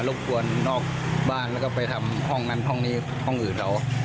บกวนนอกบ้านแล้วก็ไปทำห้องนั้นห้องนี้ห้องอื่นเรา